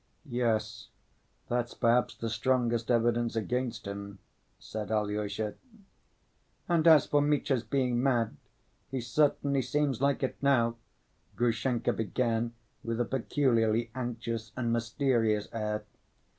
"Yes, that's perhaps the strongest evidence against him," said Alyosha. "And as for Mitya's being mad, he certainly seems like it now," Grushenka began with a peculiarly anxious and mysterious air.